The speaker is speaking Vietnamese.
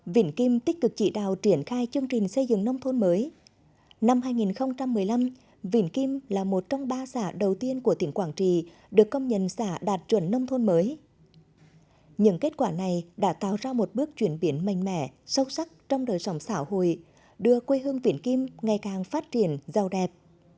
vĩnh kim tích cực chỉ đào triển khai chương trình xây dựng nông thôn mới năm hai nghìn một mươi năm vĩnh kim là một trong ba xã đầu tiên của tỉnh quảng trì được công nhân xã đạt chuẩn nông thôn mới những kết quả này đã tạo ra một bước chuyển biển mạnh mẽ sâu sắc trong đời sống xã hội đưa quê hương vĩnh kim ngày càng phát triển giàu đẹp